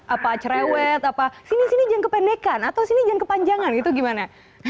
apa cerewet apa sini sini jangan kependekan atau sini jangan kepanjangan itu gimana